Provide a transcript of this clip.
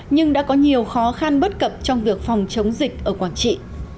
nhưng đã có nhiều khó khăn bất cập trong việc phòng chống dịch ở quảng trị